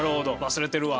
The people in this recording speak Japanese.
忘れてるわ。